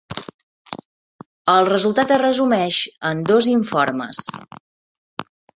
El resultat es resumeix en dos informes.